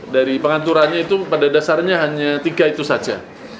dari pengaturannya itu pada dasarnya hanya tiga itu saja